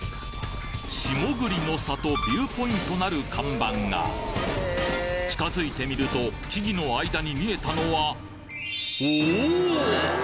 「下栗の里ビューポイント」なる看板が近づいてみると木々の間に見えたのはおぉ！